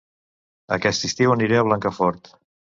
Aquest estiu aniré a Blancafort